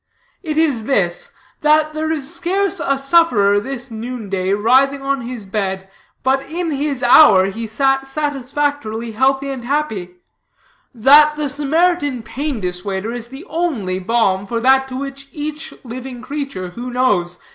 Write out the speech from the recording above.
It is this: that there is scarce a sufferer, this noonday, writhing on his bed, but in his hour he sat satisfactorily healthy and happy; that the Samaritan Pain Dissuader is the one only balm for that to which each living creature who knows?